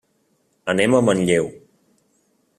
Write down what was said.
Anem a Manlleu.